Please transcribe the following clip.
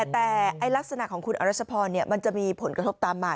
แต่ลักษณะของคุณอรัชพรมันจะมีผลกระทบตามมา